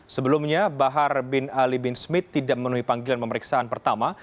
sebelumnya bahar bin ali bin smith tidak memenuhi panggilan pemeriksaan pertama